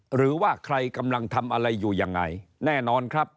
หรือว่าใครกำลังทำอะไรอยู่ยังไงแน่นอนครับ